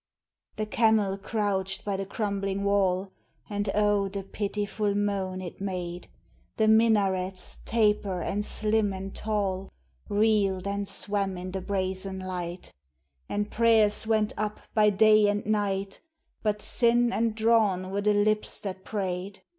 The camel crouched by the crumbling wall, And oh the pitiful moan it made! The minarets, taper and slim and tall, Reeled and swam in the brazen light; And prayers went up by day and night, But thin and drawn were the lips that prayed.